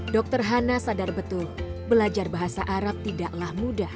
dokter hana sadar betul belajar bahasa arab tidaklah mudah